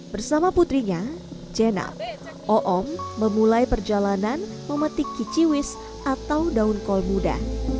bersama putrinya jenal oom memulai perjalanan memetik kiciwis atau daun kol muda